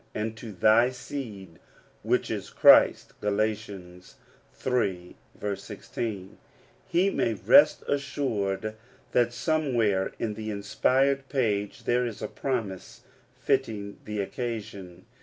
And to thy seed^ which is Christ" (Gal.iii. 16^* We may rest assured that somewhere in the inspired page there is a promise fitting the occasion.